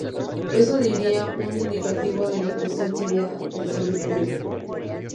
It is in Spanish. Eso daría un indicativo de que la cuestión sería de salud pública.